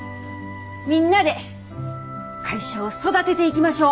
みんなで会社を育てていきましょう！